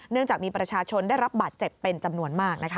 จากมีประชาชนได้รับบาดเจ็บเป็นจำนวนมากนะคะ